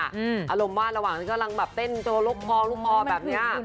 อารมณ์ว่าระหว่างที่กำลังแบบเต้นโจลกพองคอแบบนี้